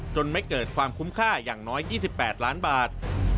ไม่เกิดความคุ้มค่าอย่างน้อย๒๘ล้านบาท